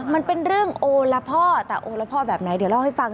มันเป็นเรื่องโอละพ่อแต่โอละพ่อแบบไหนเดี๋ยวเล่าให้ฟัง